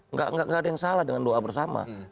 nggak ada yang salah dengan doa bersama